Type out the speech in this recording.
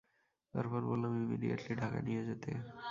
তারপর বললাম ইমিডিয়েটলি ঢাকা নিয়ে যেতে।